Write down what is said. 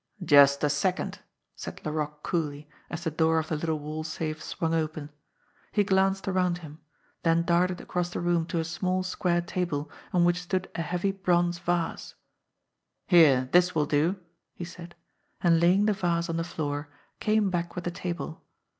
"Just a second !" said Laroque coolly, as the door of the little wall safe swung open. He glanced around him, then darted across the room to a small, square table on which stood a heavy bronze vase. "Here, this will do!" he said, and laying the vase on the floor, came back with the table.